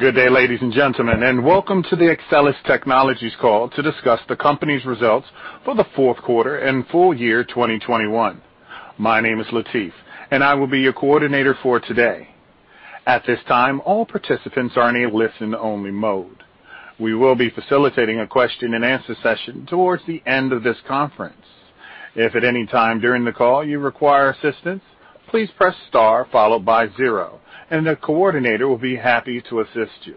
Good day, ladies and gentlemen, and welcome to the Axcelis Technologies call to discuss the company's results for the Q4 and full year 2021. My name is Latif, and I will be your coordinator for today. At this time, all participants are in a listen-only mode. We will be facilitating a question-and-answer session towards the end of this conference. If at any time during the call you require assistance, please press star followed by zero, and the coordinator will be happy to assist you.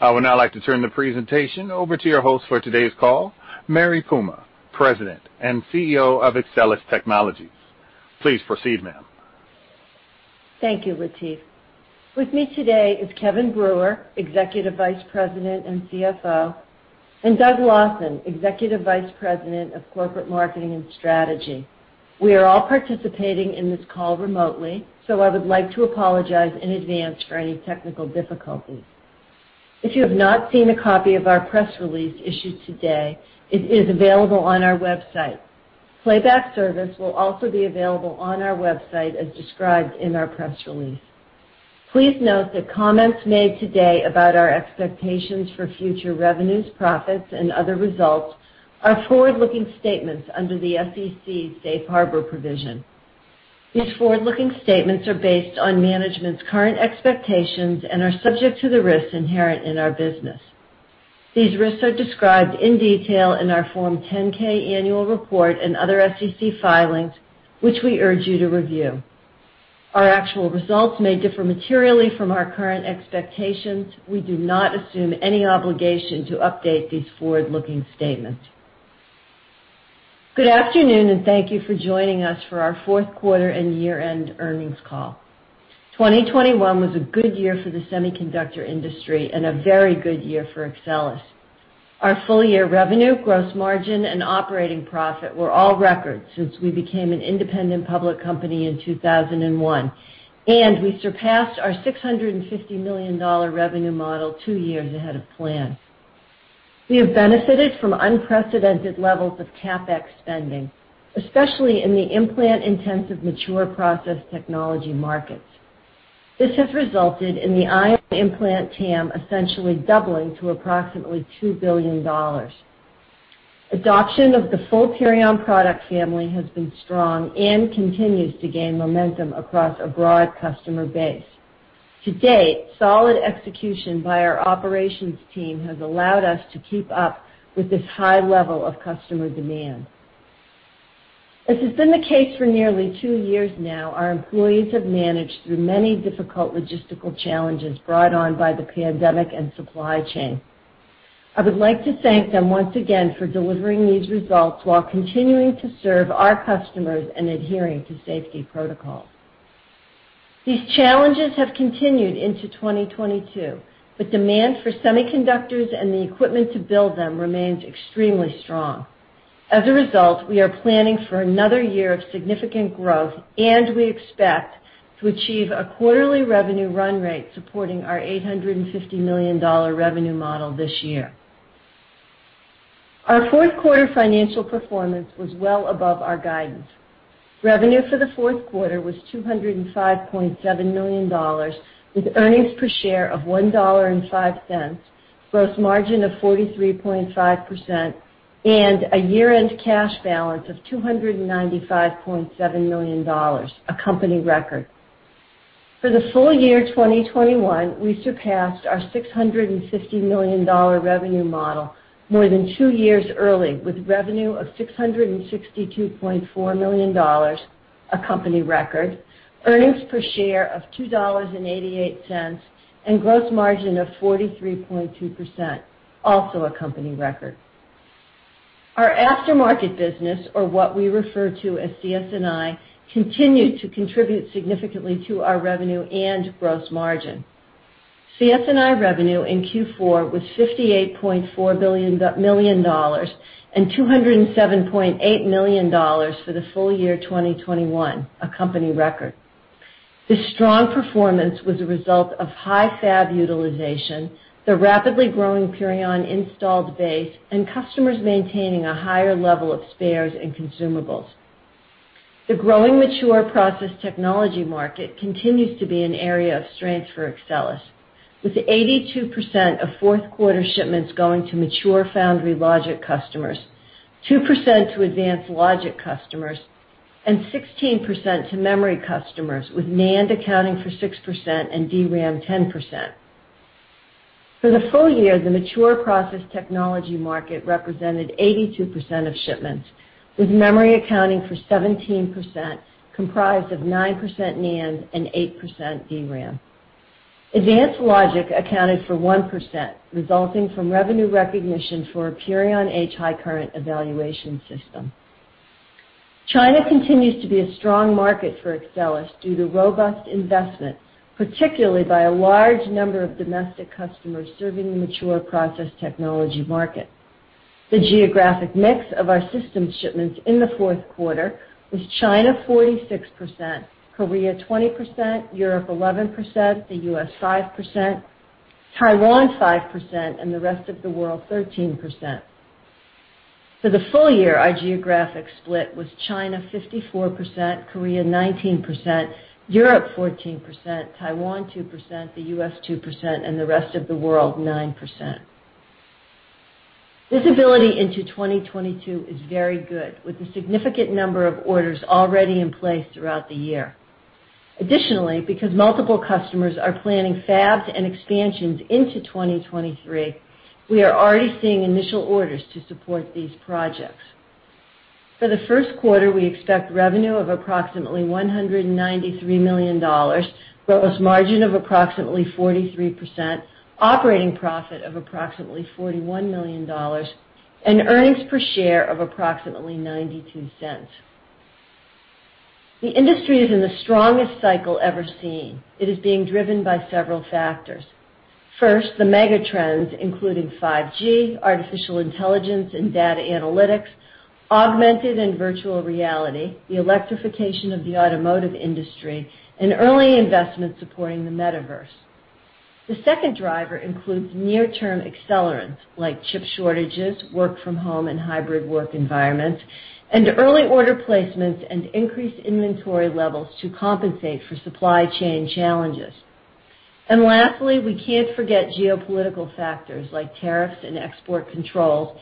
I would now like to turn the presentation over to your host for today's call, Mary Puma, President and CEO of Axcelis Technologies. Please proceed, ma'am. Thank you, Latif. With me today is Kevin Brewer, EVP and CFO, and Doug Lawson, EVP of Corporate Marketing and Strategy. We are all participating in this call remotely, so I would like to apologize in advance for any technical difficulties. If you have not seen a copy of our press release issued today, it is available on our website. Playback service will also be available on our website as described in our press release. Please note that comments made today about our expectations for future revenues, profits, and other results are forward-looking statements under the SEC's safe harbor provision. These forward-looking statements are based on management's current expectations and are subject to the risks inherent in our business. These risks are described in detail in our Form 10-K annual report and other SEC filings, which we urge you to review. Our actual results may differ materially from our current expectations. We do not assume any obligation to update these forward-looking statements. Good afternoon, and thank you for joining us for our Q4 and year-end earnings call. 2021 was a good year for the semiconductor industry and a very good year for Axcelis. Our full-year revenue, gross margin, and operating profit were all records since we became an independent public company in 2001, and we surpassed our $650 million revenue model two years ahead of plan. We have benefited from unprecedented levels of CapEx spending, especially in the implant-intensive mature process technology markets. This has resulted in the ion implant TAM essentially doubling to approximately $2 billion. Adoption of the full Purion product family has been strong and continues to gain momentum across a broad customer base. To date, solid execution by our operations team has allowed us to keep up with this high level of customer demand. As has been the case for nearly two years now, our employees have managed through many difficult logistical challenges brought on by the pandemic and supply chain. I would like to thank them once again for delivering these results while continuing to serve our customers and adhering to safety protocols. These challenges have continued into 2022, but demand for semiconductors and the equipment to build them remains extremely strong. As a result, we are planning for another year of significant growth, and we expect to achieve a quarterly revenue run rate supporting our $850 million revenue model this year. Our fourth quarter financial performance was well above our guidance. Revenue for the Q4 was $205.7 million, with earnings per share of $1.05, gross margin of 43.5%, and a year-end cash balance of $295.7 million, a company record. For the full year 2021, we surpassed our $650 million revenue model more than two years early with revenue of $662.4 million, a company record, earnings per share of $2.88, and gross margin of 43.2%, also a company record. Our aftermarket business, or what we refer to as CS&I, continued to contribute significantly to our revenue and gross margin. CS&I revenue in Q4 was $58.4 million and $207.8 million for the full year 2021, a company record. This strong performance was a result of high fab utilization, the rapidly growing Purion installed base, and customers maintaining a higher level of spares and consumables. The growing mature process technology market continues to be an area of strength for Axcelis, with 82% of fourth quarter shipments going to mature foundry logic customers, two percent to advanced logic customers, and 16% to memory customers, with NAND accounting for six percent and DRAM 10%. For the full year, the mature process technology market represented 82% of shipments, with memory accounting for 17%, comprised of nine percent NAND and eight percent DRAM. Advanced logic accounted for one percent, resulting from revenue recognition for a Purion H high-current evaluation system. China continues to be a strong market for Axcelis due to robust investment, particularly by a large number of domestic customers serving the mature process technology market. The geographic mix of our system shipments in the Q4 was China 46%, Korea 20%, Europe 11%, the U.S. five percent, Taiwan five percent, and the rest of the world 13%. For the full year, our geographic split was China 54%, Korea 19%, Europe 14%, Taiwan two percent, the U.S. two percent, and the rest of the world nine percent. Visibility into 2022 is very good, with a significant number of orders already in place throughout the year. Additionally, because multiple customers are planning fabs and expansions into 2023, we are already seeing initial orders to support these projects. For the Q1, we expect revenue of approximately $193 million, gross margin of approximately 43%, operating profit of approximately $41 million, and earnings per share of approximately $0.92. The industry is in the strongest cycle ever seen. It is being driven by several factors. First, the mega trends, including 5G, artificial intelligence and data analytics, augmented and virtual reality, the electrification of the automotive industry, and early investments supporting the Metaverse. The second driver includes near-term accelerants like chip shortages, work from home and hybrid work environments, and early order placements and increased inventory levels to compensate for supply chain challenges. Lastly, we can't forget geopolitical factors like tariffs and export controls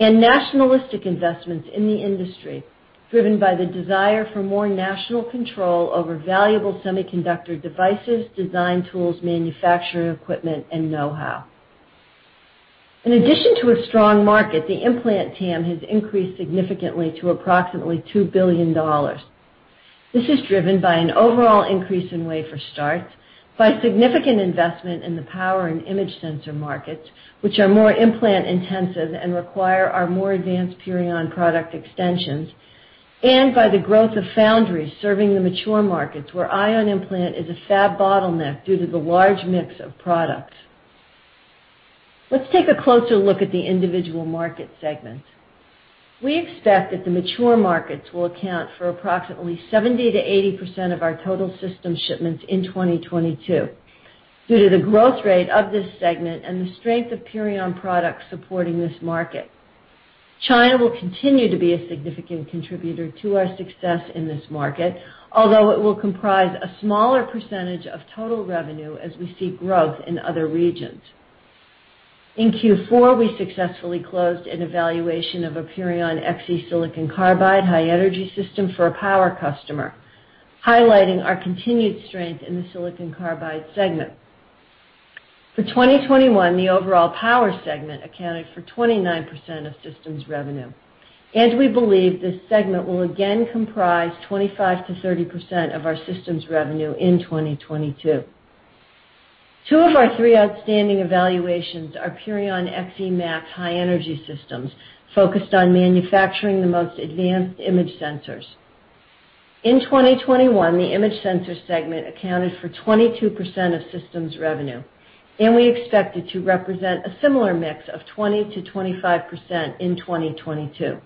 and nationalistic investments in the industry, driven by the desire for more national control over valuable semiconductor devices, design tools, manufacturing equipment, and know-how. In addition to a strong market, the implant TAM has increased significantly to approximately $2 billion. This is driven by an overall increase in wafer starts, by significant investment in the power and image sensor markets, which are more implant-intensive and require our more advanced Purion product extensions, and by the growth of foundries serving the mature markets, where ion implant is a fab bottleneck due to the large mix of products. Let's take a closer look at the individual market segments. We expect that the mature markets will account for approximately 70%-80% of our total system shipments in 2022 due to the growth rate of this segment and the strength of Purion products supporting this market. China will continue to be a significant contributor to our success in this market, although it will comprise a smaller percentage of total revenue as we see growth in other regions. In Q4, we successfully closed an evaluation of a Purion XE silicon carbide high energy system for a power customer, highlighting our continued strength in the silicon carbide segment. For 2021, the overall power segment accounted for 29% of systems revenue, and we believe this segment will again comprise 25%-30% of our systems revenue in 2022. Two of our three outstanding evaluations are Purion XE Max high energy systems focused on manufacturing the most advanced image sensors. In 2021, the image sensor segment accounted for 22% of systems revenue, and we expect it to represent a similar mix of 20%-25% in 2022.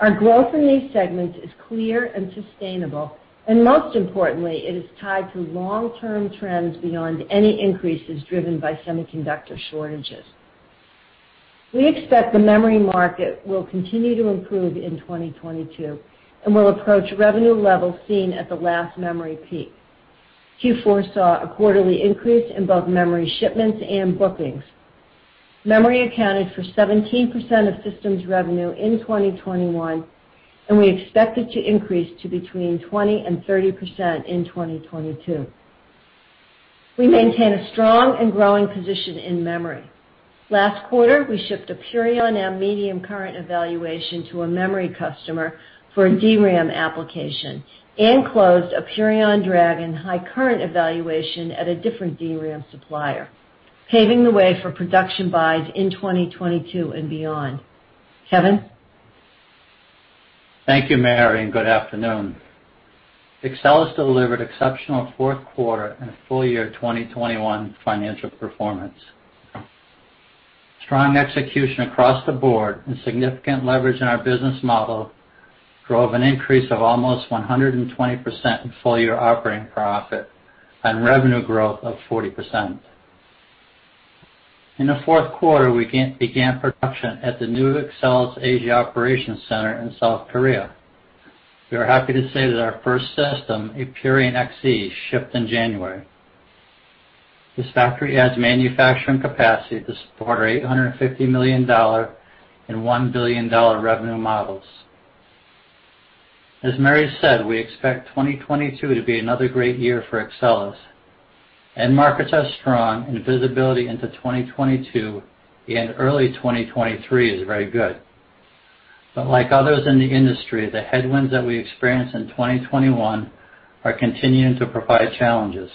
Our growth in these segments is clear and sustainable, and most importantly, it is tied to long-term trends beyond any increases driven by semiconductor shortages. We expect the memory market will continue to improve in 2022 and will approach revenue levels seen at the last memory peak. Q4 saw a quarterly increase in both memory shipments and bookings. Memory accounted for 17% of systems revenue in 2021, and we expect it to increase to between 20%-30% in 2022. We maintain a strong and growing position in memory. Last quarter, we shipped a Purion M medium current evaluation to a memory customer for a DRAM application and closed a Purion Dragon high current evaluation at a different DRAM supplier, paving the way for production buys in 2022 and beyond. Kevin? Thank you, Mary, and good afternoon. Axcelis delivered exceptional fourth quarter and full year 2021 financial performance. Strong execution across the board and significant leverage in our business model drove an increase of almost 120% in full year operating profit and revenue growth of 40%. In the fourth quarter, we began production at the new Axcelis Asia Operations Center in South Korea. We are happy to say that our first system, a Purion XE, shipped in January. This factory adds manufacturing capacity to support our $850 million and $1 billion revenue models. As Mary said, we expect 2022 to be another great year for Axcelis, end markets are strong and visibility into 2022 and early 2023 is very good. Like others in the industry, the headwinds that we experienced in 2021 are continuing to provide challenges.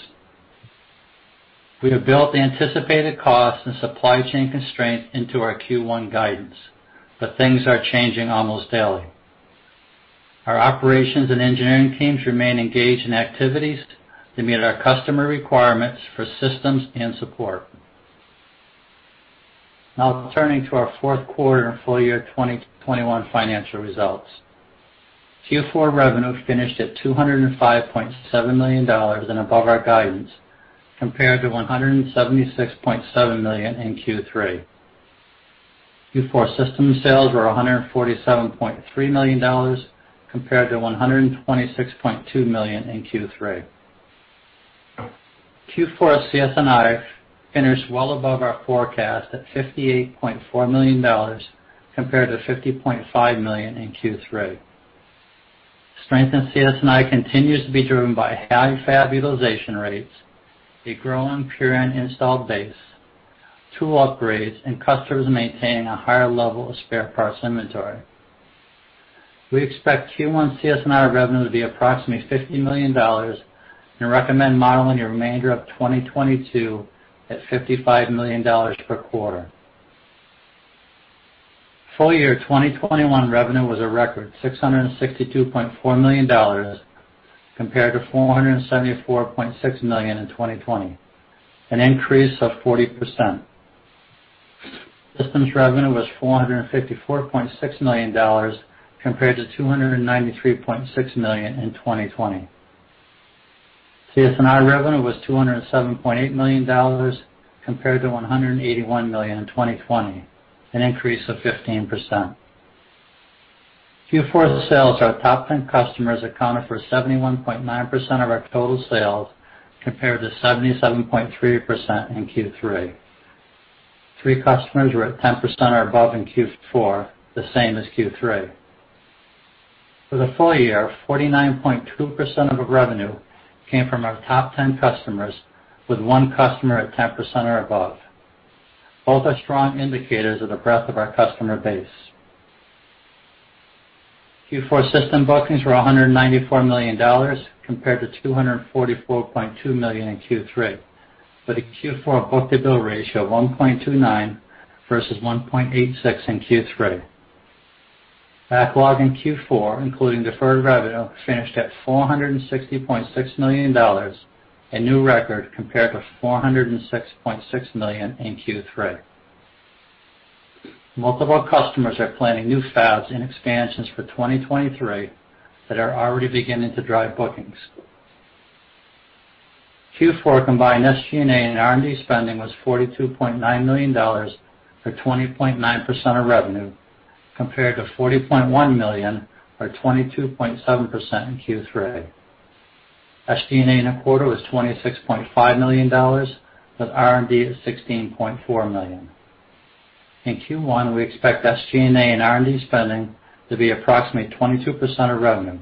We have built the anticipated costs and supply chain constraints into our Q1 guidance, but things are changing almost daily. Our operations and engineering teams remain engaged in activities to meet our customer requirements for systems and support. Now turning to our fourth quarter and full year 2021 financial results. Q4 revenue finished at $205.7 million and above our guidance, compared to $176.7 million in Q3. Q4 system sales were $147.3 million compared to $126.2 million in Q3. Q4 CS&I finished well above our forecast at $58.4 million compared to $50.5 million in Q3. Strength in CS&I continues to be driven by high fab utilization rates, a growing Purion installed base, tool upgrades, and customers maintaining a higher level of spare parts inventory. We expect Q1 CS&I revenue to be approximately $50 million and recommend modeling the remainder of 2022 at $55 million per quarter. Full year 2021 revenue was a record $662.4 million compared to $474.6 million in 2020, an increase of 40%. Systems revenue was $454.6 million compared to $293.6 million in 2020. CS&I revenue was $207.8 million compared to $181 million in 2020, an increase of 15%. In Q4, sales, our top ten customers accounted for 71.9% of our total sales, compared to 77.3% in Q3. Three customers were at 10% or above in Q4, the same as Q3. For the full year, 49.2% of the revenue came from our top ten customers, with one customer at 10% or above. Both are strong indicators of the breadth of our customer base. Q4 system bookings were $194 million compared to $244.2 million in Q3, with a Q4 book-to-bill ratio of 1.29 versus 1.86 in Q3. Backlog in Q4, including deferred revenue, finished at $460.6 million, a new record compared to $406.6 million in Q3. Multiple customers are planning new fabs and expansions for 2023 that are already beginning to drive bookings. Q4 combined SG&A and R&D spending was $42.9 million, or 20.9% of revenue, compared to $40.1 million, or 22.7% in Q3. SG&A in the quarter was $26.5 million, with R&D at $16.4 million. In Q1, we expect SG&A and R&D spending to be approximately 22% of revenue.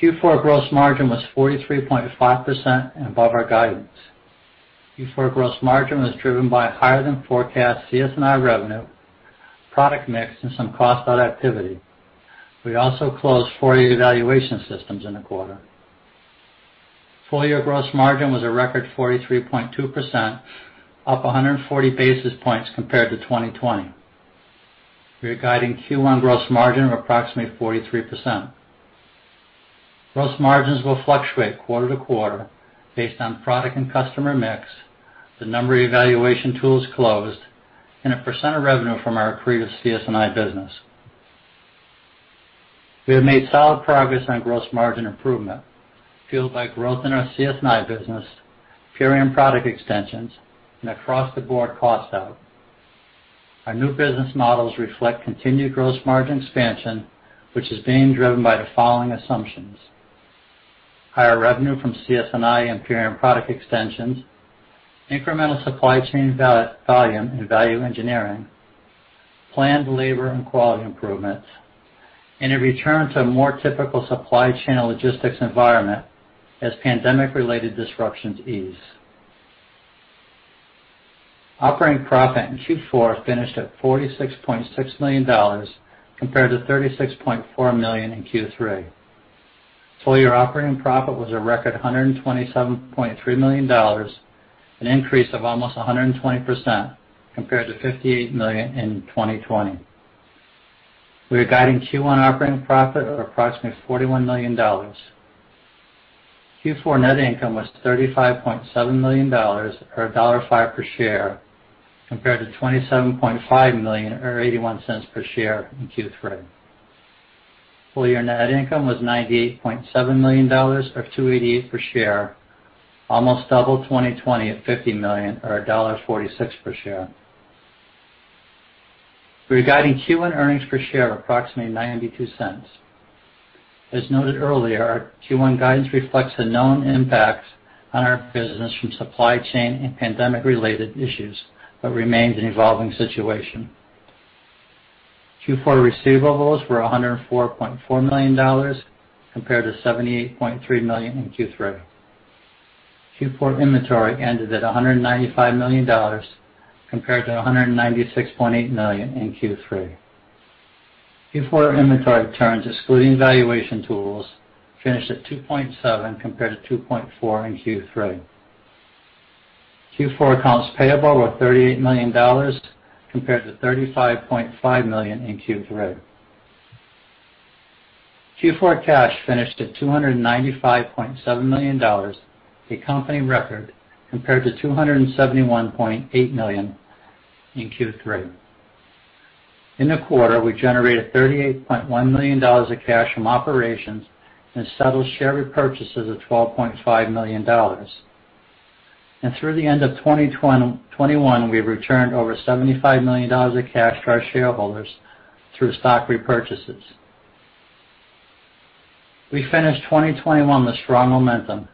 Q4 gross margin was 43.5% above our guidance. Q4 gross margin was driven by higher than forecast CS&I revenue, product mix, and some cost out activity. We also closed four evaluation systems in the quarter. Full year gross margin was a record 43.2%, up 140 basis points compared to 2020. We are guiding Q1 gross margin of approximately 43%. Gross margins will fluctuate quarter to quarter based on product and customer mix, the number of evaluation tools closed, and a percent of revenue from our previous CS&I business. We have made solid progress on gross margin improvement, fueled by growth in our CS&I business, Purion product extensions, and across the board cost out. Our new business models reflect continued gross margin expansion, which is being driven by the following assumptions. Higher revenue from CS&I and Purion product extensions, incremental supply chain value and value engineering, planned labor and quality improvements, and a return to a more typical supply chain logistics environment as pandemic-related disruptions ease. Operating profit in Q4 finished at $46.6 million compared to $36.4 million in Q3. Full-year operating profit was a record $127.3 million, an increase of almost 120% compared to $58 million in 2020. We are guiding Q1 operating profit of approximately $41 million. Q4 net income was $35.7 million or $1.05 per share, compared to $27.5 million or $0.81 per share in Q3. Full-year net income was $98.7 million, or $2.88 per share, almost double 2020 at $50 million or $1.46 per share. We are guiding Q1 earnings per share of approximately $0.92. As noted earlier, our Q1 guidance reflects the known impacts on our business from supply chain and pandemic-related issues, but remains an evolving situation. Q4 receivables were $104.4 million, compared to $78.3 million in Q3. Q4 inventory ended at $195 million, compared to $196.8 million in Q3. Q4 inventory turns, excluding valuation tools, finished at 2.7, compared to 2.4 in Q3. Q4 accounts payable were $38 million, compared to $35.5 million in Q3. Q4 cash finished at $295.7 million, a company record, compared to $271.8 million in Q3. In the quarter, we generated $38.1 million of cash from operations and settled share repurchases of $12.5 million. Through the end of 2021, we returned over $75 million of cash to our shareholders through stock repurchases. We finished 2021 with strong momentum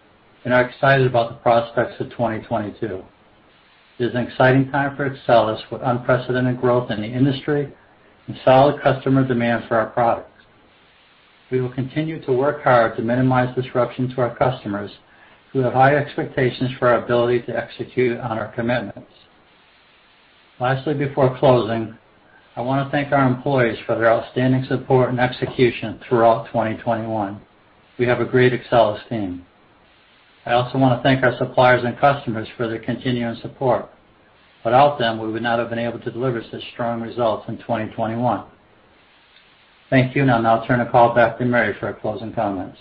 and are excited about the prospects of 2022. It is an exciting time for Axcelis with unprecedented growth in the industry and solid customer demand for our products. We will continue to work hard to minimize disruption to our customers who have high expectations for our ability to execute on our commitments. Lastly, before closing, I want to thank our employees for their outstanding support and execution throughout 2021. We have a great Axcelis team. I also want to thank our suppliers and customers for their continuing support. Without them, we would not have been able to deliver such strong results in 2021. Thank you. I'll now turn the call back to Mary for our closing comments.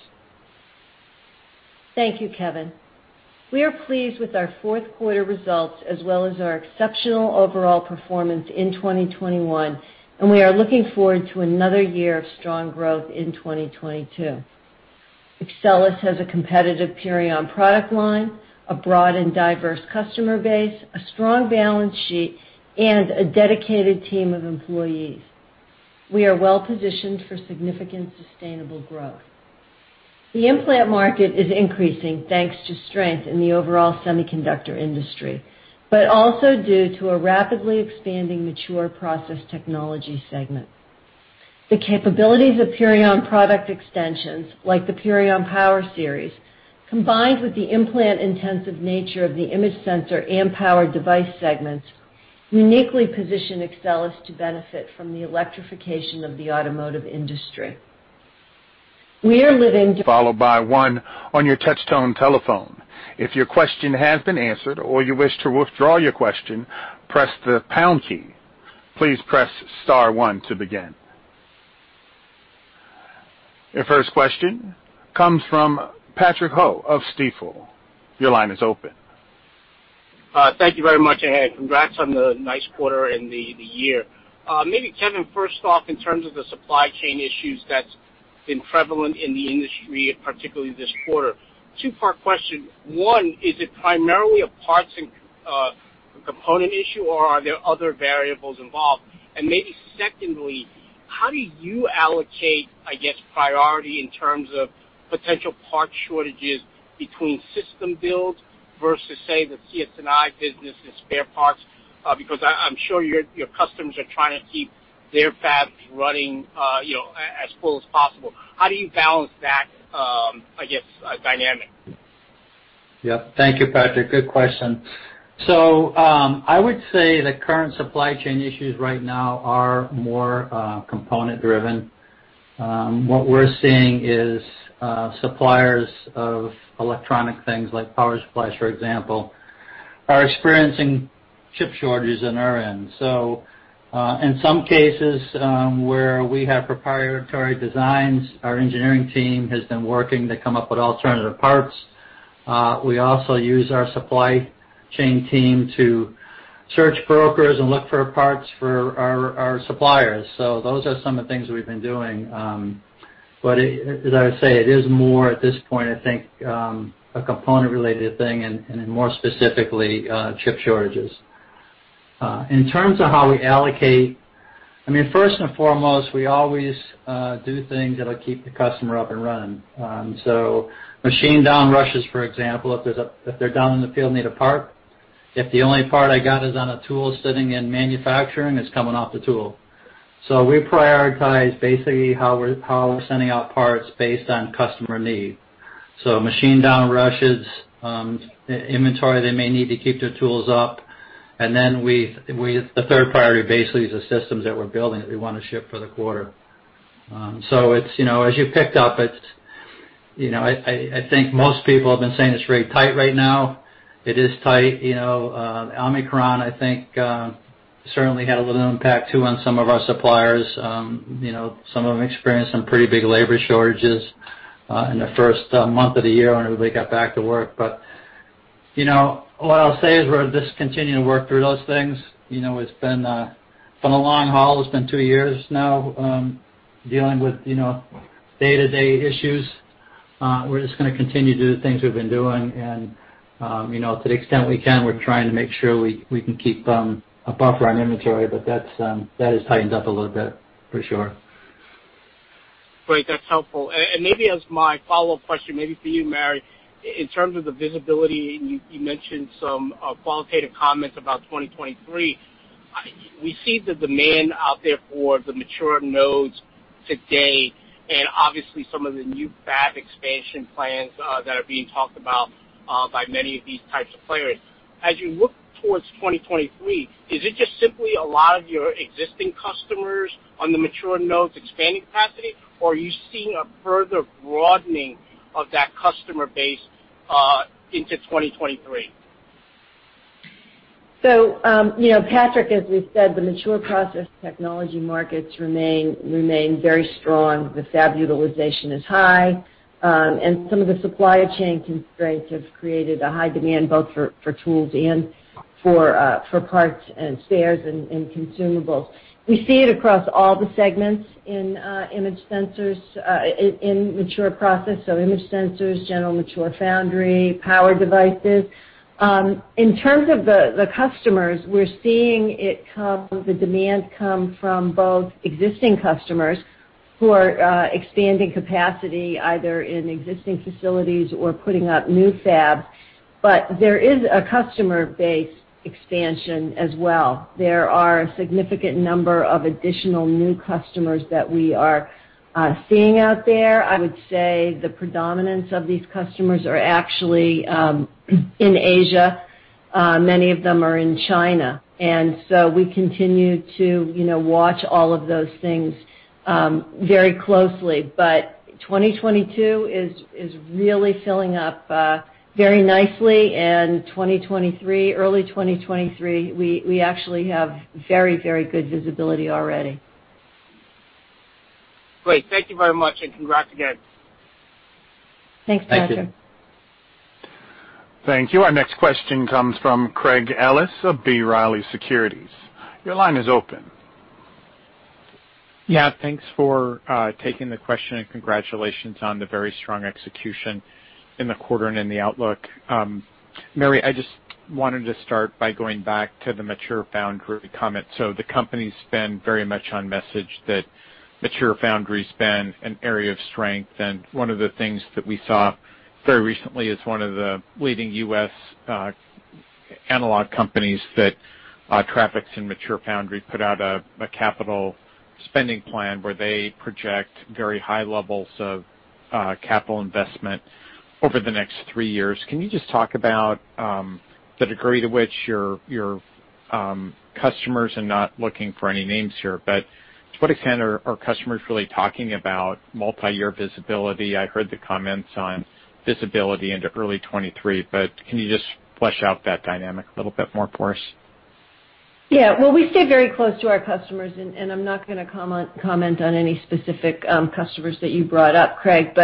Thank you, Kevin. We are pleased with our fourth quarter results as well as our exceptional overall performance in 2021, and we are looking forward to another year of strong growth in 2022. Axcelis has a competitive Purion product line, a broad and diverse customer base, a strong balance sheet, and a dedicated team of employees. We are well positioned for significant sustainable growth. The implant market is increasing thanks to strength in the overall semiconductor industry, but also due to a rapidly expanding mature process technology segment. The capabilities of Purion product extensions, like the Purion Power Series, combined with the implant-intensive nature of the image sensor and power device segments, uniquely position Axcelis to benefit from the electrification of the automotive industry. We are living. Followed by one on your touch-tone telephone. If your question has been answered or you wish to withdraw your question, press the pound key. Please press star one to begin. Your first question comes from Patrick Ho of Stifel. Your line is open. Thank you very much, and congrats on the nice quarter and the year. Maybe Kevin, first off, in terms of the supply chain issues that's been prevalent in the industry, particularly this quarter, two-part question. One, is it primarily a parts and component issue, or are there other variables involved? Maybe secondly, how do you allocate, I guess, priority in terms of potential parts shortages between system builds versus, say, the CSNI business and spare parts? Because I'm sure your customers are trying to keep their fabs running, you know, as full as possible. How do you balance that, I guess, dynamic? Yeah. Thank you, Patrick. Good question. I would say the current supply chain issues right now are more component-driven. What we're seeing is suppliers of electronic things, like power supplies, for example, are experiencing chip shortages on our end. In some cases, where we have proprietary designs, our engineering team has been working to come up with alternative parts. We also use our supply chain team to search brokers and look for parts for our suppliers. Those are some of the things we've been doing. As I would say, it is more at this point, I think, a component-related thing and more specifically, chip shortages. In terms of how we allocate, I mean, first and foremost, we always do things that'll keep the customer up and running. Machine down rushes, for example, if they're down in the field and need a part, if the only part I got is on a tool sitting in manufacturing, it's coming off the tool. We prioritize basically how we're sending out parts based on customer need. Machine down rushes, inventory they may need to keep their tools up, and then the third priority basically is the systems that we're building that we wanna ship for the quarter. It's, you know, as you picked up, I think most people have been saying it's very tight right now. It is tight. You know, Omicron, I think, certainly had a little impact too on some of our suppliers. You know, some of them experienced some pretty big labor shortages in the first month of the year when everybody got back to work. You know, what I'll say is we'll just continue to work through those things. You know, it's been a long haul. It's been two years now, dealing with, you know, day-to-day issues. We're just gonna continue to do the things we've been doing and, you know, to the extent we can, we're trying to make sure we can keep a buffer on inventory, but that's that has tightened up a little bit for sure. Great. That's helpful. Maybe as my follow-up question, maybe for you, Mary, in terms of the visibility, and you mentioned some qualitative comments about 2023. We see the demand out there for the mature nodes today and obviously some of the new fab expansion plans that are being talked about by many of these types of players. As you look towards 2023, is it just simply a lot of your existing customers on the mature nodes expanding capacity, or are you seeing a further broadening of that customer base into 2023? You know, Patrick, as we've said, the mature process technology markets remain very strong. The fab utilization is high, and some of the supply chain constraints have created a high demand both for tools and for parts and spares and consumables. We see it across all the segments in image sensors, in mature process, so image sensors, general mature foundry, power devices. In terms of the customers, we're seeing the demand come from both existing customers who are expanding capacity either in existing facilities or putting up new fabs. There is a customer base expansion as well. There are a significant number of additional new customers that we are seeing out there. I would say the predominance of these customers are actually in Asia. Many of them are in China. We continue to, you know, watch all of those things very closely. 2022 is really filling up very nicely, and 2023, early 2023, we actually have very, very good visibility already. Great. Thank you very much, and congrats again. Thanks, Patrick. Thank you. Thank you. Our next question comes from Craig Ellis of B. Riley Securities. Your line is open. Yeah, thanks for taking the question, and congratulations on the very strong execution in the quarter and in the outlook. Mary, I just wanted to start by going back to the mature foundry comment. The company's been very much on message that mature foundry's been an area of strength, and one of the things that we saw very recently is one of the leading U.S. analog companies that traffics in mature foundry put out a capital spending plan where they project very high levels of capital investment over the next three years. Can you just talk about the degree to which your customers, and not looking for any names here, but to what extent are customers really talking about multiyear visibility? I heard the comments on visibility into early 2023, but can you just flesh out that dynamic a little bit more for us? Yeah. Well, we stay very close to our customers, and I'm not gonna comment on any specific customers that you brought up, Craig.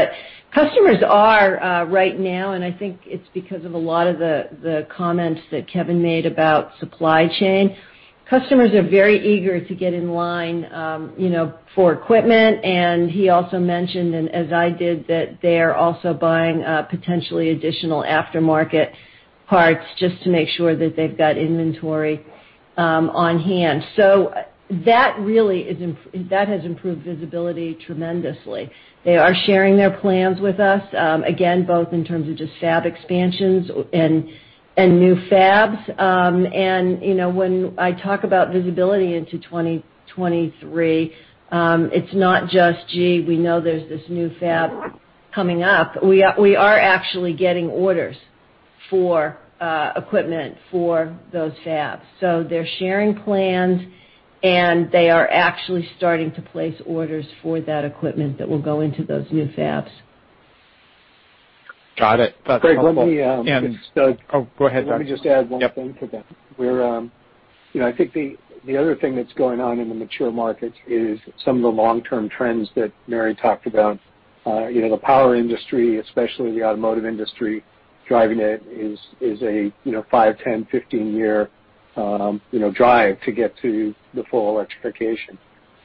Customers are right now, and I think it's because of a lot of the comments that Kevin made about supply chain, customers are very eager to get in line, you know, for equipment. He also mentioned, and as I did, that they are also buying potentially additional aftermarket parts just to make sure that they've got inventory on-hand. That has improved visibility tremendously. They are sharing their plans with us, again, both in terms of just fab expansions and new fabs. You know, when I talk about visibility into 2023, it's not just, gee, we know there's this new fab coming up. We are actually getting orders for equipment for those fabs. They're sharing plans, and they are actually starting to place orders for that equipment that will go into those new fabs. Got it. That's helpful. Craig, let me Oh, go ahead, Doug. Let me just add one thing to that. Yep. I think the other thing that's going on in the mature markets is some of the long-term trends that Mary talked about. You know, the power industry, especially the automotive industry, driving it is a you know five, 10, 15-year you know drive to get to the full electrification.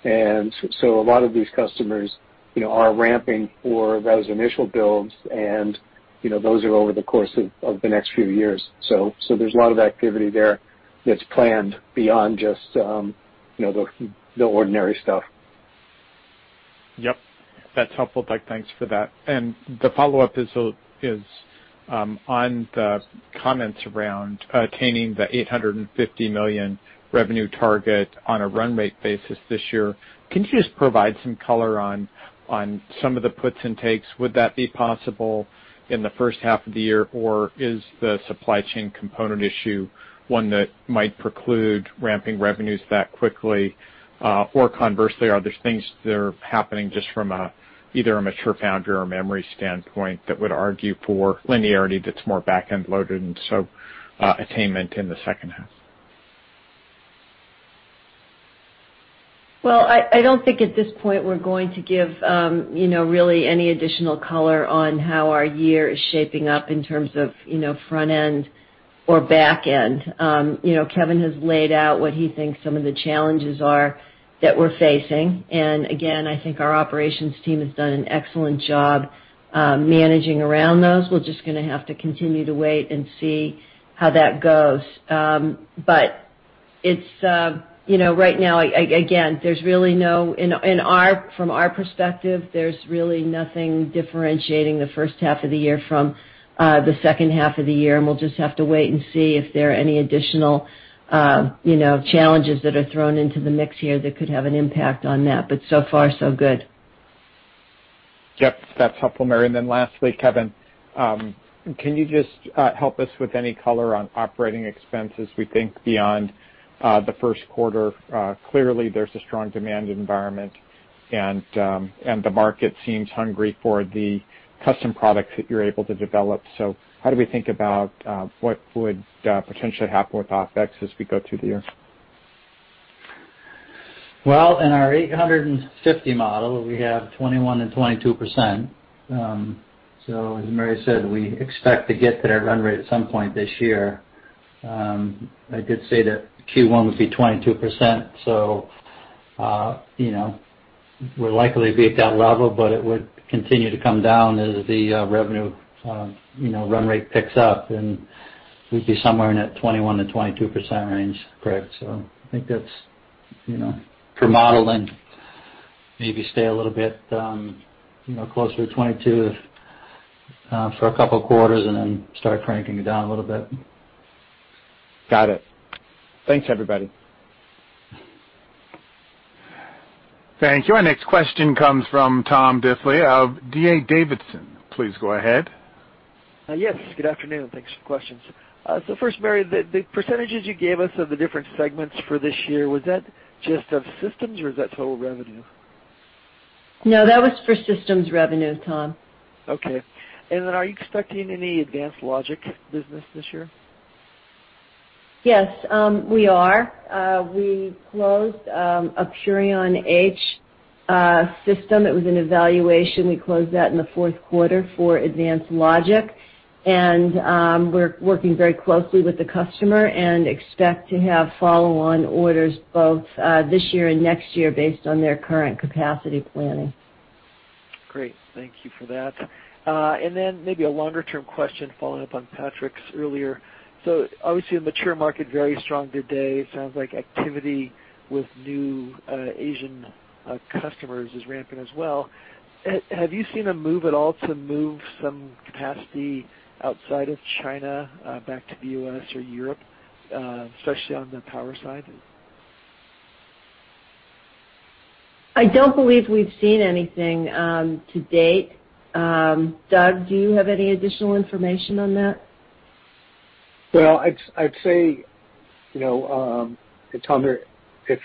A lot of these customers, you know, are ramping for those initial builds, and you know those are over the course of the next few years. There's a lot of activity there that's planned beyond just you know the ordinary stuff. Yep. That's helpful, Doug. Thanks for that. The follow-up is on the comments around attaining the $850 million revenue target on a run rate basis this year. Can you just provide some color on some of the puts and takes? Would that be possible in the first half of the year, or is the supply chain component issue one that might preclude ramping revenues that quickly? Or conversely, are there things that are happening just from either a mature foundry or a memory standpoint that would argue for linearity that's more back-end loaded, attainment in the second half? Well, I don't think at this point we're going to give you know, really any additional color on how our year is shaping up in terms of you know, front end or back end. You know, Kevin has laid out what he thinks some of the challenges are that we're facing. Again, I think our operations team has done an excellent job managing around those. We're just gonna have to continue to wait and see how that goes. It's you know, right now, again, from our perspective, there's really nothing differentiating the first half of the year from the second half of the year, and we'll just have to wait and see if there are any additional you know, challenges that are thrown into the mix here that could have an impact on that. So far, so good. Yep. That's helpful, Mary. Lastly, Kevin, can you just help us with any color on operating expenses, we think, beyond- The first quarter, clearly there's a strong demand environment, and the market seems hungry for the custom products that you're able to develop. How do we think about what would potentially happen with OpEx as we go through the year? Well, in our 850 model, we have 21% and 22%. As Mary said, we expect to get to that run rate at some point this year. I did say that Q1 would be 22%, so, you know, we'll likely be at that level, but it would continue to come down as the revenue, you know, run rate picks up, and we'd be somewhere in that 21%-22% range, Craig. I think that's, you know, per modeling, maybe stay a little bit, you know, closer to 22%, for a couple of quarters and then start cranking it down a little bit. Got it. Thanks, everybody. Thank you. Our next question comes from Thomas Diffely of D.A. Davidson. Please go ahead. Yes, good afternoon. Thanks for the questions. First, Mary, the percentages you gave us of the different segments for this year, was that just of systems or is that total revenue? No, that was for systems revenue, Tom. Okay. Are you expecting any advanced logic business this year? Yes, we are. We closed a Purion H system. It was an evaluation. We closed that in the fourth quarter for advanced logic. We're working very closely with the customer and expect to have follow-on orders both this year and next year based on their current capacity planning. Great. Thank you for that. Maybe a longer-term question following up on Patrick's earlier. Obviously, a mature market, very strong today. Sounds like activity with new Asian customers is ramping as well. Have you seen a move at all to move some capacity outside of China, back to the U.S. or Europe, especially on the power side? I don't believe we've seen anything to date. Doug, do you have any additional information on that? Well, I'd say, you know, if Tom, your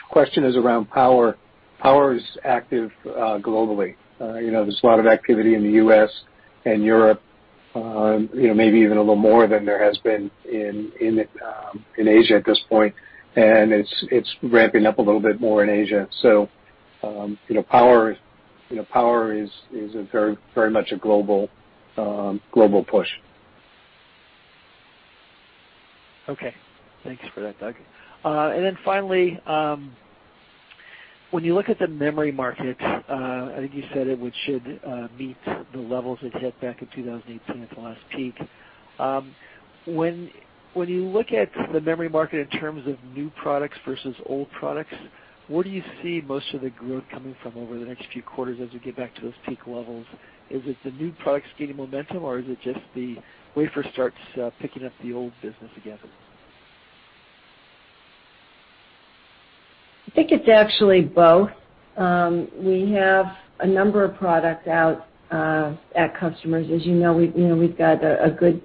question is around power is active globally. You know, there's a lot of activity in the U.S. and Europe, you know, maybe even a little more than there has been in Asia at this point. It's ramping up a little bit more in Asia. You know, power is very much a global push. Okay. Thanks for that, Doug. Finally, when you look at the memory market, I think you said it should meet the levels it hit back in 2018 at the last peak. When you look at the memory market in terms of new products versus old products, where do you see most of the growth coming from over the next few quarters as we get back to those peak levels? Is it the new products gaining momentum, or is it just the wafer starts picking up the old business again? I think it's actually both. We have a number of products out at customers. As you know, we, you know, we've got a good,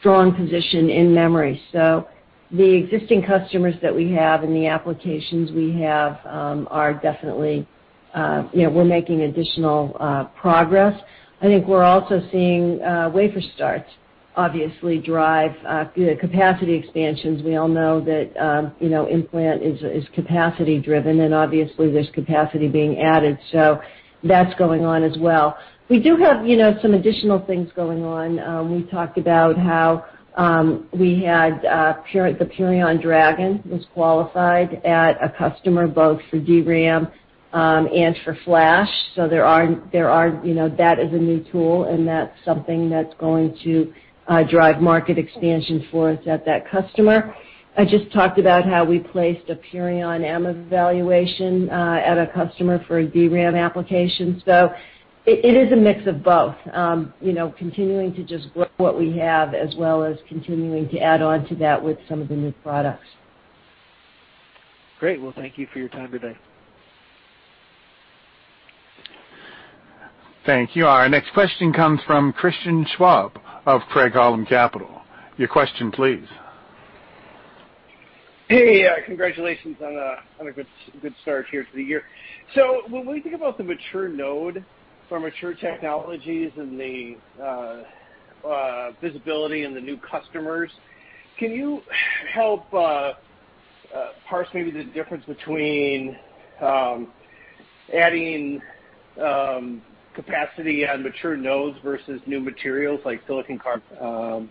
strong position in memory. So the existing customers that we have and the applications we have are definitely, you know, we're making additional progress. I think we're also seeing wafer starts obviously drive, you know, capacity expansions. We all know that, you know, implant is capacity driven, and obviously there's capacity being added, so that's going on as well. We do have, you know, some additional things going on. We talked about how we had Purion, the Purion Dragon was qualified at a customer both for DRAM and for Flash. There are, you know, that is a new tool, and that's something that's going to drive market expansion for us at that customer. I just talked about how we placed a Purion M evaluation at a customer for a DRAM application. It is a mix of both, you know, continuing to just grow what we have as well as continuing to add on to that with some of the new products. Great. Well, thank you for your time today. Thank you. Our next question comes from Christian Schwab of Craig-Hallum Capital. Your question, please. Hey, congratulations on a good start here to the year. When we think about the mature node for mature technologies and the visibility in the new customers, can you help parse maybe the difference between adding capacity on mature nodes versus new materials like silicon carbide? I'm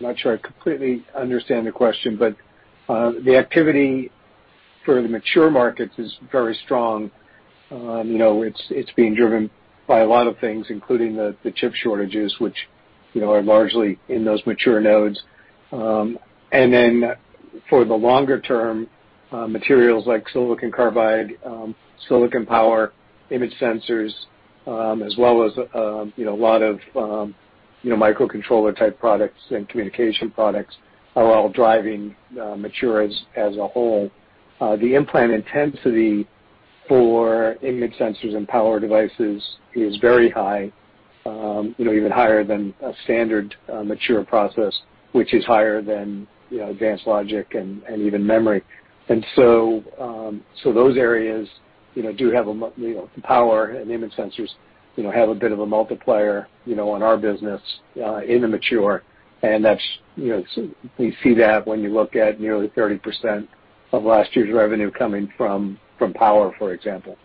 not sure I completely understand the question, but the activity for the mature markets is very strong. You know, it's being driven by a lot of things, including the chip shortages, which, you know, are largely in those mature nodes. For the longer term, materials like silicon carbide, silicon power, image sensors, as well as, you know, a lot of microcontroller-type products and communication products are all driving matures as a whole. The implant intensity For image sensors and power devices is very high, you know, even higher than a standard mature process, which is higher than, you know, advanced logic and even memory. Those areas, you know, power and image sensors, you know, have a bit of a multiplier, you know, on our business in the mature. That's, you know, we see that when you look at nearly 30% of last year's revenue coming from power, for example.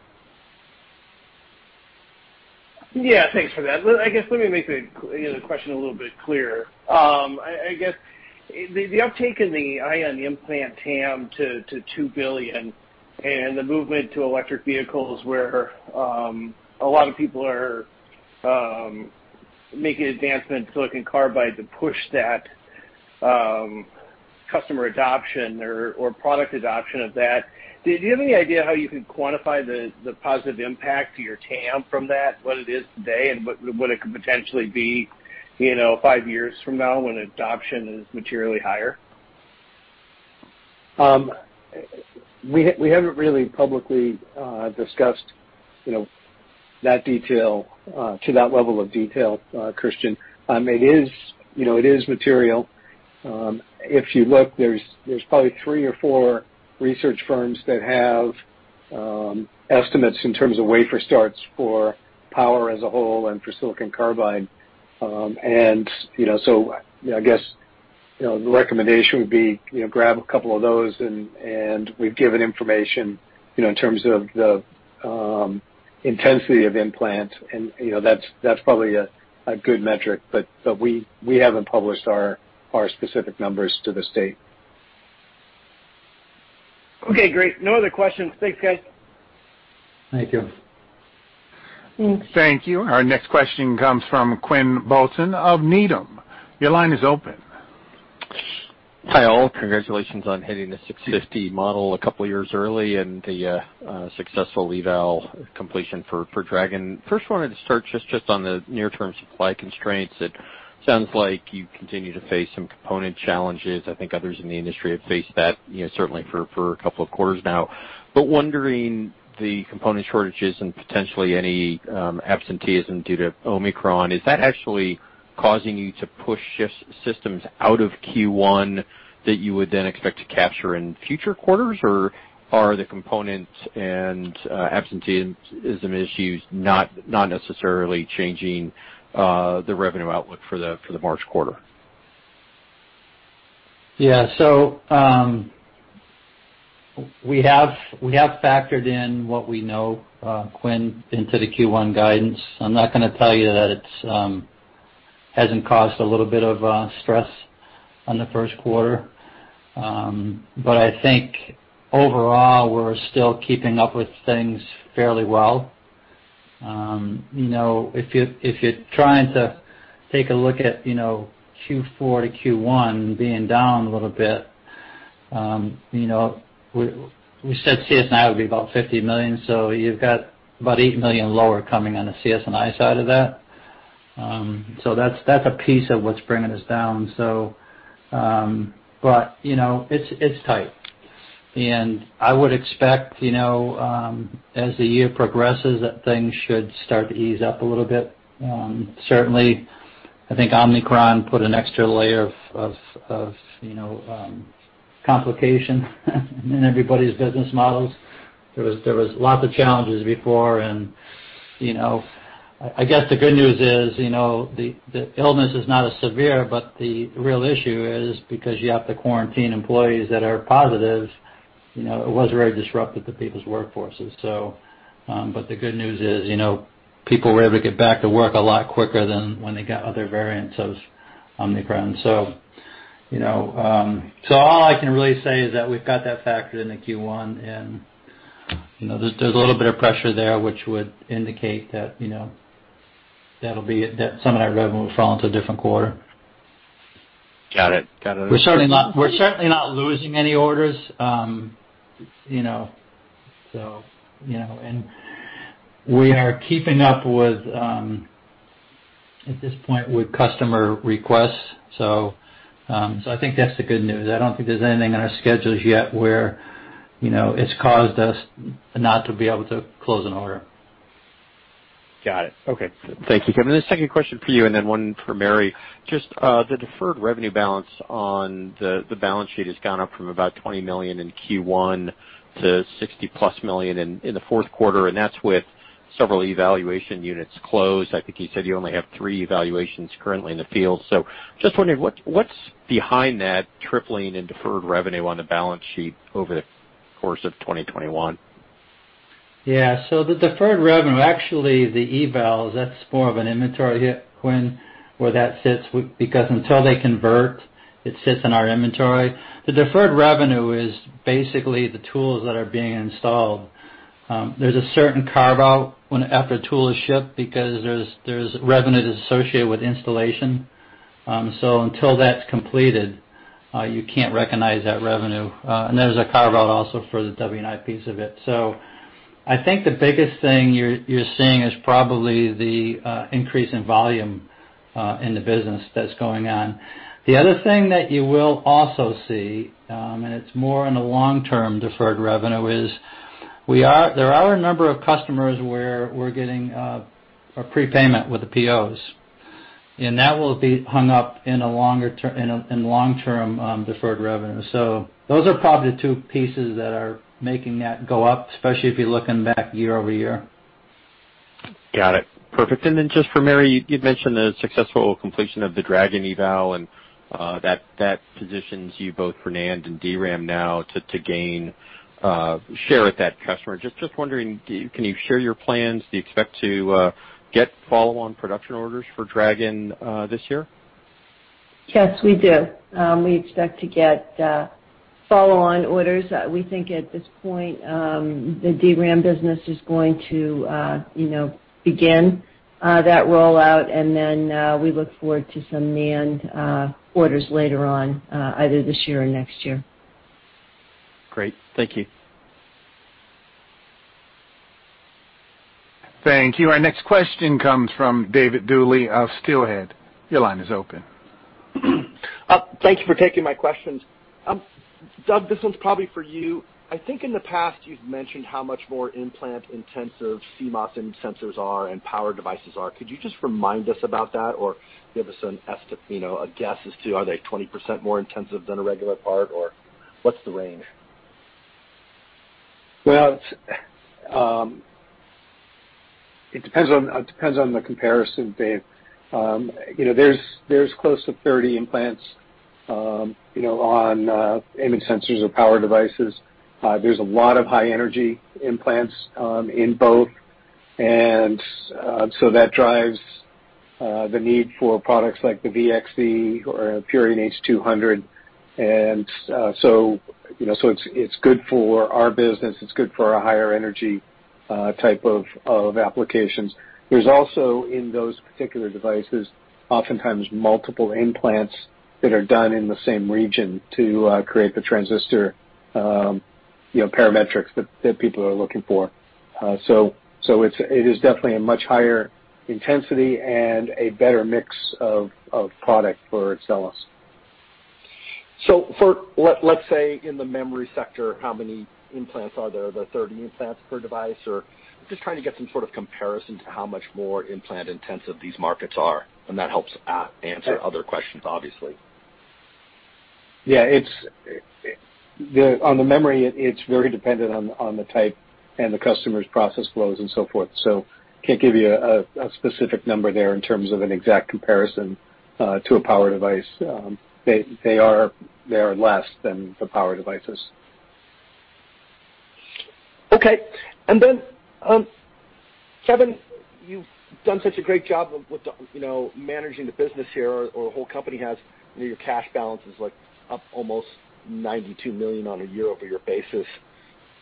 Yeah. Thanks for that. I guess, let me make the, you know, the question a little bit clearer. I guess the uptake in the ion implant TAM to $2 billion and the movement to electric vehicles where a lot of people are making advancements in silicon carbide to push that customer adoption or product adoption of that. Did you have any idea how you can quantify the positive impact to your TAM from that, what it is today and what it could potentially be, you know, five years from now when adoption is materially higher? We haven't really publicly, you know, discussed that detail to that level of detail, Christian. It is, you know, material. If you look, there's probably three or four research firms that have estimates in terms of wafer starts for power as a whole and for silicon carbide. You know, so I guess, you know, the recommendation would be, you know, to grab a couple of those and we've given information, you know, in terms of the intensity of implant and, you know, that's probably a good metric, but we haven't published our specific numbers to the state. Okay, great. No other questions. Thanks, guys. Thank you. Thank you. Our next question comes from Quinn Bolton of Needham. Your line is open. Hi, all. Congratulations on hitting the 650 model a couple of years early and the successful eval completion for Dragon. First wanted to start just on the near term supply constraints. It sounds like you continue to face some component challenges. I think others in the industry have faced that, you know, certainly for a couple of quarters now. Wondering the component shortages and potentially any absenteeism due to Omicron, is that actually causing you to push systems out of Q1 that you would then expect to capture in future quarters? Or are the components and absenteeism issues not necessarily changing the revenue outlook for the March quarter? Yeah. We have factored in what we know, Quinn, into the Q1 guidance. I'm not gonna tell you that it hasn't caused a little bit of stress on the first quarter. But I think overall, we're still keeping up with things fairly well. You know, if you're trying to take a look at, you know, Q4 to Q1 being down a little bit, you know, we said CS&I would be about $50 million, so you've got about $8 million lower coming on the CS&I side of that. That's a piece of what's bringing us down. But, you know, it's tight. And I would expect, you know, as the year progresses, that things should start to ease up a little bit. Certainly I think Omicron put an extra layer of, you know, complication in everybody's business models. There was lots of challenges before and, you know, I guess the good news is, you know, the illness is not as severe, but the real issue is because you have to quarantine employees that are positive, you know, it was very disruptive to people's workforces. But the good news is, you know, people were able to get back to work a lot quicker than when they got other variants of Omicron. All I can really say is that we've got that factored into Q1, and, you know, there's a little bit of pressure there, which would indicate that, you know, that'll be it, that some of that revenue will fall into a different quarter. Got it. Got it. We're certainly not losing any orders. You know, so you know and we are keeping up with, at this point, with customer requests. I think that's the good news. I don't think there's anything on our schedules yet where, you know, it's caused us not to be able to close an order. Got it. Okay. Thank you. Kevin, the second question for you and then one for Mary. Just, the deferred revenue balance on the balance sheet has gone up from about $20 million in Q1 to $60+ million in the fourth quarter, and that's with several evaluation units closed. I think you said you only have three evaluations currently in the field. Just wondering what's behind that tripling in deferred revenue on the balance sheet over the course of 2021. Yeah. The deferred revenue, actually, the evals, that's more of an inventory hit, Quinn, where that sits because until they convert, it sits in our inventory. The deferred revenue is basically the tools that are being installed. There's a certain carve-out after a tool is shipped because there's revenue that's associated with installation. Until that's completed, you can't recognize that revenue. And there's a carve-out also for the W&I piece of it. I think the biggest thing you're seeing is probably the increase in volume in the business that's going on. The other thing that you will also see, and it's more in the long-term deferred revenue, is there are a number of customers where we're getting a prepayment with the POs, and that will be hung up in long-term deferred revenue. Those are probably the two pieces that are making that go up, especially if you're looking back year-over-year. Got it. Perfect. Just for Mary, you'd mentioned the successful completion of the Dragon eval, and that positions you both for NAND and DRAM now to gain share with that customer. Just wondering, can you share your plans? Do you expect to get follow-on production orders for Dragon this year? Yes, we do. We expect to get follow-on orders. We think at this point, the DRAM business is going to you know, begin that rollout, and then, we look forward to some NAND orders later on, either this year or next year. Great. Thank you. Thank you. Our next question comes from David Duley of Steelhead. Your line is open. Thank you for taking my questions. Doug, this one's probably for you. I think in the past you've mentioned how much more implant-intensive CMOS image sensors are and power devices are. Could you just remind us about that or give us an estimate, you know, a guess as to are they 20% more intensive than a regular part, or what's the range? Well, it depends on the comparison, Dave. You know, there's close to 30 implants, you know, on image sensors or power devices. There's a lot of high-energy implants in both, and that drives the need for products like the Purion XE or a Purion H200. You know, it's good for our business. It's good for our higher energy type of applications. There's also, in those particular devices, oftentimes multiple implants that are done in the same region to create the transistor, you know, parametrics that people are looking for. It is definitely a much higher intensity and a better mix of product for Axcelis. For, let's say, in the memory sector, how many implants are there? Are there 30 implants per device? Or just trying to get some sort of comparison to how much more implant-intensive these markets are, and that helps a- Yeah. answer other questions, obviously. Yeah. It's on the memory. It's very dependent on the type and the customer's process flows and so forth. Can't give you a specific number there in terms of an exact comparison to a power device. They are less than the power devices. Okay. Then, Kevin, you've done such a great job with the, you know, managing the business here, or the whole company has. You know, your cash balance is, like, up almost $92 million on a year-over-year basis.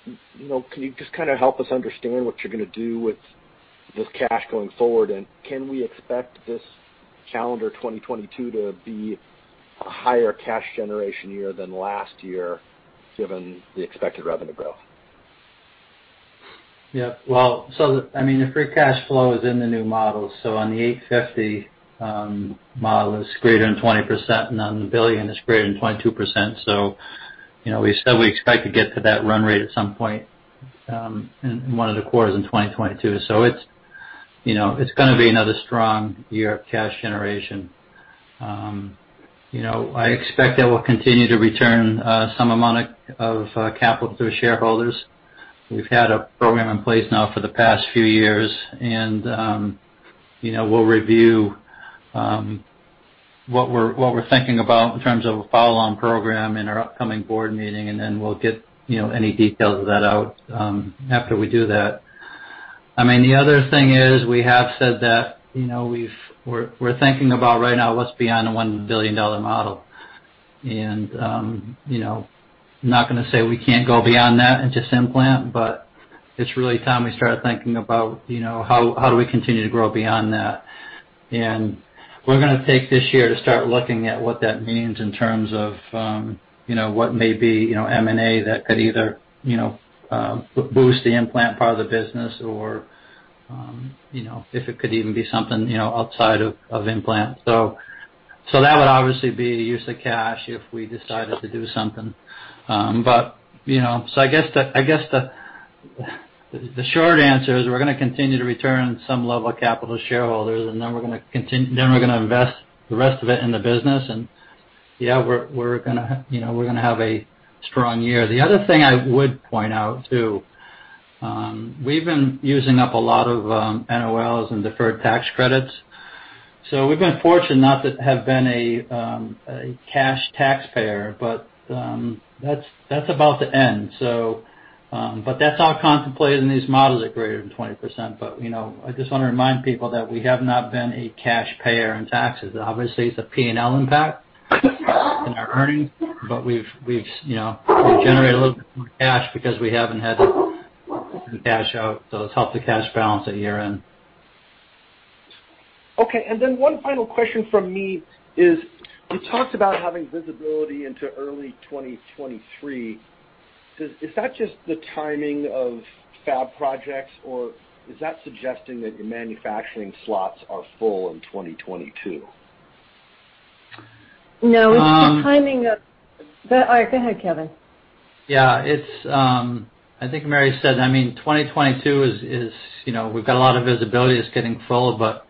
You know, can you just kinda help us understand what you're gonna do with this cash going forward? Can we expect this calendar 2022 to be a higher cash generation year than last year, given the expected revenue growth? I mean, the free cash flow is in the new model. On the $850 million model, it's greater than 20%, and on the $1 billion model, it's greater than 22%. You know, we said we expect to get to that run rate at some point in one of the quarters in 2022. It's, you know, it's gonna be another strong year of cash generation. You know, I expect that we'll continue to return some amount of capital to our shareholders. We've had a program in place now for the past few years, and you know, we'll review what we're thinking about in terms of a follow-on program in our upcoming board meeting, and then we'll get, you know, any details of that out after we do that. I mean, the other thing is we have said that, you know, we're thinking about right now what's beyond the $1 billion model. You know, not gonna say we can't go beyond that into implant, but it's really time we started thinking about, you know, how do we continue to grow beyond that. We're gonna take this year to start looking at what that means in terms of, you know, what may be, you know, M&A that could either, you know, boost the implant part of the business or, you know, if it could even be something, you know, outside of implant. That would obviously be a use of cash if we decided to do something. You know. I guess the short answer is we're gonna continue to return some level of capital to shareholders, and then we're gonna invest the rest of it in the business. Yeah, you know, we're gonna have a strong year. The other thing I would point out, we've been using up a lot of NOLs and deferred tax credits, so we've been fortunate not to have been a cash taxpayer. That's about to end. That's all contemplated in these models at greater than 20%. You know, I just wanna remind people that we have not been a cash payer in taxes. Obviously, it's a P&L impact in our earnings, but we've, you know, we've generated a little bit more cash because we haven't had to cash out, so it's helped the cash balance at year-end. Okay. One final question from me is you talked about having visibility into early 2023. Is that just the timing of fab projects, or is that suggesting that your manufacturing slots are full in 2022? No. Um- All right, go ahead, Kevin. Yeah. It's, I think Mary said, I mean, 2022 is, you know, we've got a lot of visibility that's getting full, but,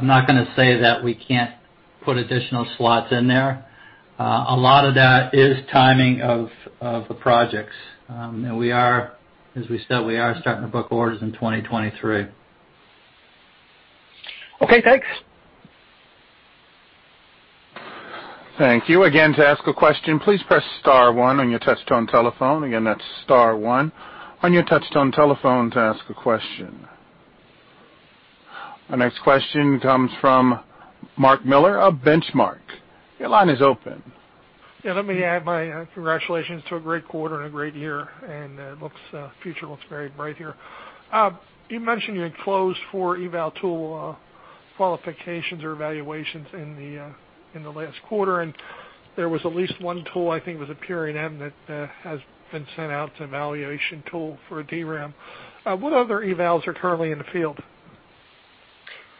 I'm not gonna say that we can't put additional slots in there. A lot of that is timing of the projects. We are, as we said, starting to book orders in 2023. Okay, thanks. Our next question comes from Mark Miller of Benchmark. Your line is open. Yeah, let me add my congratulations to a great quarter and a great year, and the future looks very bright here. You mentioned you had closed four eval tool qualifications or evaluations in the last quarter, and there was at least one tool, I think it was a Purion M that has been sent out to evaluation tool for a DRAM. What other evals are currently in the field?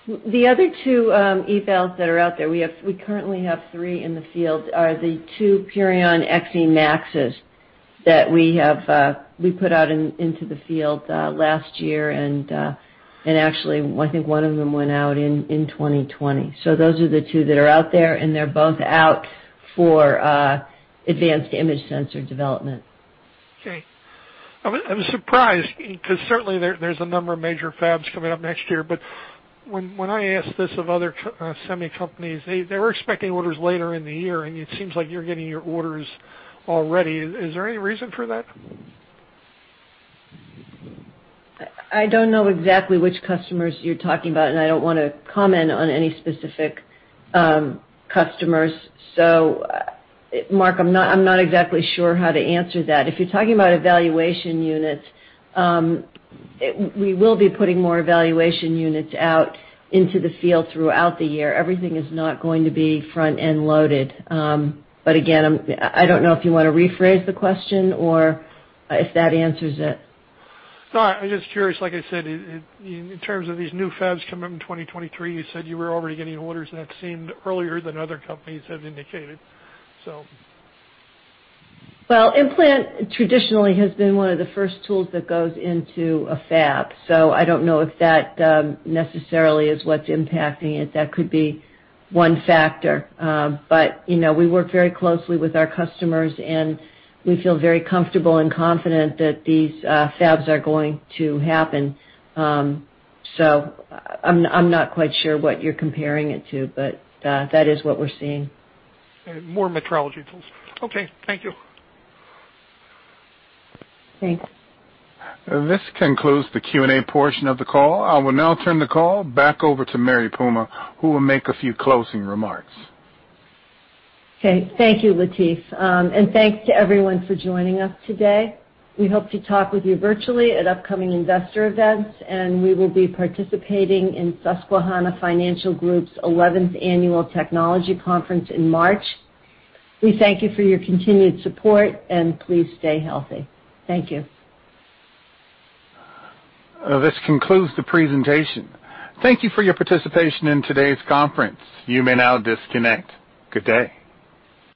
The other two evals that are out there, we currently have three in the field, are the two Purion XEmaxes that we have. We put out into the field last year. Actually, I think one of them went out in 2020. Those are the two that are out there, and they're both out for advanced image sensor development. Okay. I was surprised because certainly there's a number of major fabs coming up next year, but when I ask this of other semi companies, they were expecting orders later in the year, and it seems like you're getting your orders already. Is there any reason for that? I don't know exactly which customers you're talking about, and I don't wanna comment on any specific customers. Mark, I'm not exactly sure how to answer that. If you're talking about evaluation units, we will be putting more evaluation units out into the field throughout the year. Everything is not going to be front end loaded. Again, I don't know if you wanna rephrase the question or if that answers it. No, I'm just curious. Like I said, it in terms of these new fabs coming in 2023, you said you were already getting orders, and that seemed earlier than other companies have indicated, so. Well, implant traditionally has been one of the first tools that goes into a fab, so I don't know if that necessarily is what's impacting it. That could be one factor. You know, we work very closely with our customers, and we feel very comfortable and confident that these fabs are going to happen. I'm not quite sure what you're comparing it to, but that is what we're seeing. More metrology tools. Okay. Thank you. Thanks. This concludes the Q&A portion of the call. I will now turn the call back over to Mary Puma, who will make a few closing remarks. Okay, thank you, Latif. Thanks to everyone for joining us today. We hope to talk with you virtually at upcoming investor events, and we will be participating in Susquehanna Financial Group's eleventh annual technology conference in March. We thank you for your continued support, and please stay healthy. Thank you. This concludes the presentation. Thank you for your participation in today's conference. You may now disconnect. Good day.